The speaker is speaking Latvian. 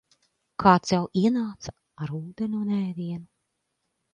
Kāds jau ienāca ar ūdeni un ēdienu.